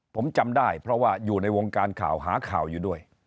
ผมจำได้เพราะว่าอยู่ในวงการข่าวหาข่าวอยู่ด้วย